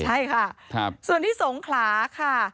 ใช่ค่ะส่วนที่สงขลาค่ะ